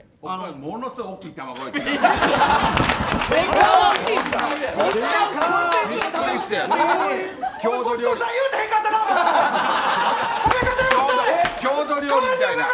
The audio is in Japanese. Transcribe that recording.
ものすごい大きい卵焼きですよ。